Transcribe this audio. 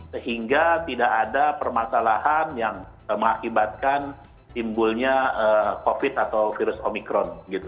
sehingga tidak ada permasalahan yang mengakibatkan timbulnya covid atau virus omikron